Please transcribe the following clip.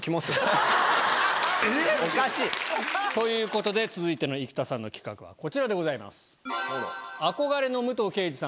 おかしい！ということで続いての生田さんの企画はこちらでございます。